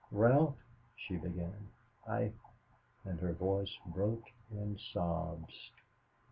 "Ralph," she began, "I " and her voice broke in sobs.